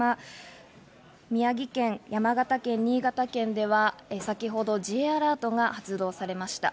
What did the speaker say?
宮城県、山形県、新潟県では先ほどＪアラートが発動されました。